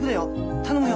頼むよ。